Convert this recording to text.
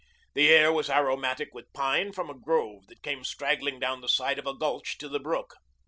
The air was aromatic with pine from a grove that came straggling down the side of a gulch to the brook.